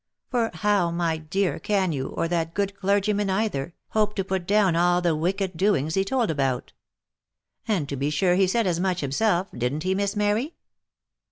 For how, my dear, can you, or that good clergyman either, hope to put down all the wicked doings he told.about ? And to be sure he said as much himself — didn't he Miss Mary